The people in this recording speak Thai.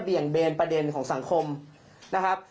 ี่ยงเบนประเด็นของสังคมนะครับ